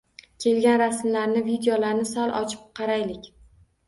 Kelgan rasmlarni, videolarni sal ochib qaraylik!!